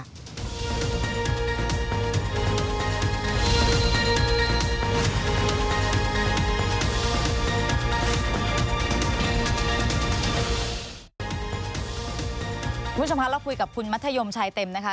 คุณผู้ชมคะเราคุยกับคุณมัธยมชายเต็มนะคะ